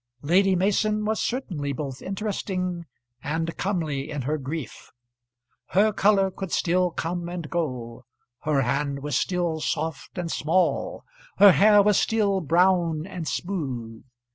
Lady Mason was certainly both interesting and comely in her grief. Her colour could still come and go, her hand was still soft and small, her hair was still brown and smooth.